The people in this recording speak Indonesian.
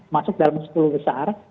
masuk dalam sepuluh besar